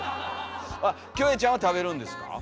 キョエちゃんは食べるんですか？